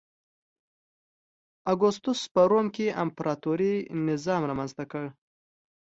اګوستوس په روم کې امپراتوري نظام رامنځته کړ.